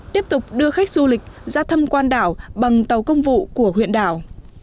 tiếp tục đưa khách du lịch ra thăm quan đảo bằng tàu công vụ của huyện đảo